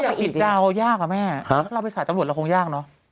ปิดดาวยากอะแม่ถ้าเราไปสายตำรวจเราคงยากเนอะ